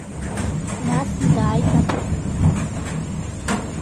Нас дааит аԥшәма ихаҭа.